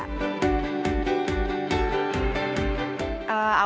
apa yang harus kita lakukan untuk menjaga keuangan